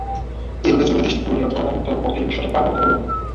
এভাবে চললে, দেশটি পুরো নিরক্ষরতামুক্ত করতে একুশ শতক পার করতে হবে।